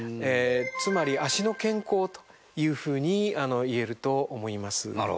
つまり脚の健康というふうに言えると思います。